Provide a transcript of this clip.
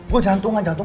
gue jantungan jantung